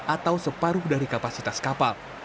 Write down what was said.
atau separuh dari kapasitas kapal